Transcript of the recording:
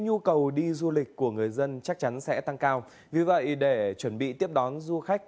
nhu cầu đi du lịch của người dân chắc chắn sẽ tăng cao vì vậy để chuẩn bị tiếp đón du khách